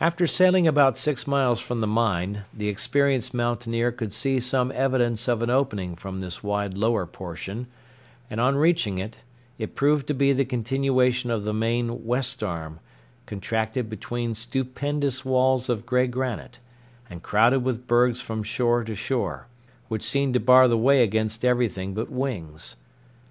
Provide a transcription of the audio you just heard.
After sailing about six miles from the mine, the experienced mountaineer could see some evidence of an opening from this wide lower portion, and on reaching it, it proved to be the continuation of the main west arm, contracted between stupendous walls of gray granite, and crowded with bergs from shore to shore, which seem to bar the way against everything but wings.